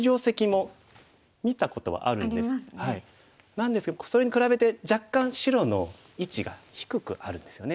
なんですけどそれに比べて若干白の位置が低くあるんですよね。